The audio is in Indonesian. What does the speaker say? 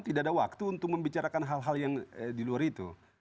tidak ada waktu untuk membicarakan hal hal yang di luar itu